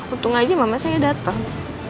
untung aja mama saya datang